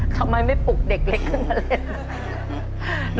ทำไมไม่ปลุกเด็กเล็กขึ้นมาเลย